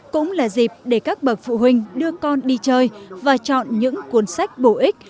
cũng là dịp để các bậc phụ huynh đưa con đi chơi và chọn những cuốn sách bổ ích